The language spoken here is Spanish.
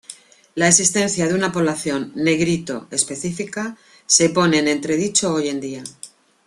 La existencia de una población Negrito específica se pone en entredicho hoy en día.